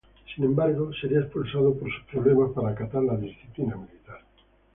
Sin embargo sería expulsado por sus problemas para acatar la disciplina militar.